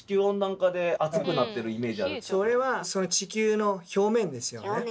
それは地球の表面ですよね。